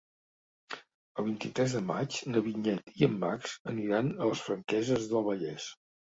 El vint-i-tres de maig na Vinyet i en Max aniran a les Franqueses del Vallès.